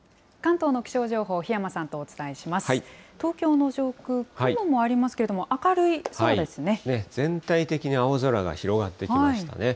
東京の上空、雲もありますけれど全体的に青空が広がってきましたね。